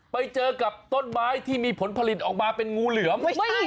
ไปเจอกับต้นไม้ที่มีผลผลิตออกมาเป็นงูเหลือม